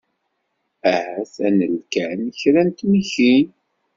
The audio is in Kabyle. Ahat ad nel kan kra n tmikin.